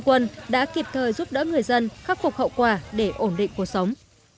quân đã kịp thời giúp đỡ người dân khắc phục hậu quả để ổn định cuộc sống